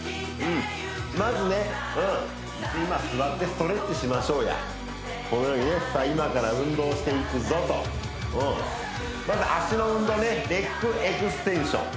まずね座ってストレッチしましょうやこれより今から運動していくぞとまず脚の運動ねレッグエクステンション